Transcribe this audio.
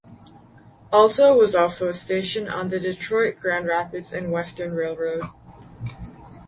Alto was also a station on the Detroit, Grand Rapids and Western Railroad.